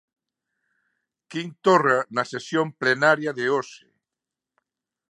Quim Torra na sesión plenaria de hoxe.